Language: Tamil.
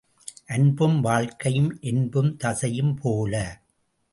அன்பும் வாழ்க்கையும் என்பும் தசையும்போல.